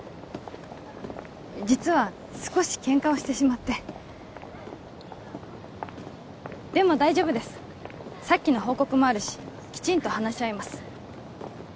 実は少しケンカをしてしまってでも大丈夫ですさっきの報告もあるしきちんと話し合います